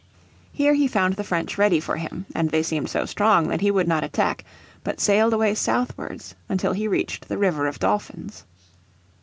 Here he found the French ready for him, and they seemed so strong that he would not attack, but sailed away southwards until he reached the river of Dolphins.